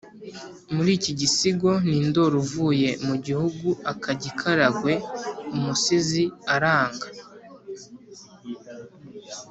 muri iki gisigo ni ndoli uvuye mu gihugu akajya i karagwe umusizi aranga